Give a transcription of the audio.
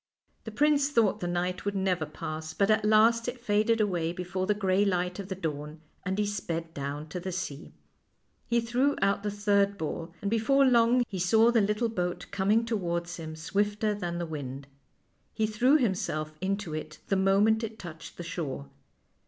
The prince thought the night would never pass, but at last it faded aw r ay before the gray light of the dawn, and he sped down to the sea. He threw out the third ball, and before long he saw the little boat coming towards him swifter than the wind. He threw himself into it the mo ment it touched the shore.